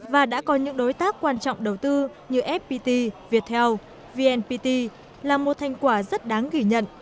và đã có những đối tác quan trọng đầu tư như fpt viettel vnpt là một thành quả rất đáng ghi nhận